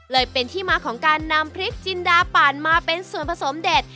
เลยเป็นที่มาของการนำพริกจินดาปั่นมาเป็นส่วนผสมเด็ด